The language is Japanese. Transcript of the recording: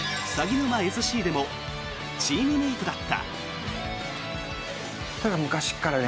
ぬまＳＣでもチームメートだった。